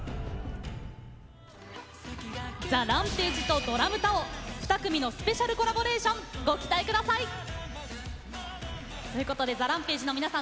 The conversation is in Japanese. ＴＨＥＲＡＭＰＡＧＥとＤＲＡＭＴＡＯ２組のスペシャルコラボレーションご期待ください！ということでＴＨＥＲＡＭＰＡＧＥの皆さん